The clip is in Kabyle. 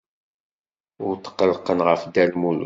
Ur tqellqen ɣef Dda Lmulud.